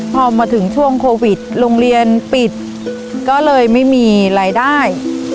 พอมาถึงช่วงโควิดโรงเรียนปิดก็เลยไม่มีรายได้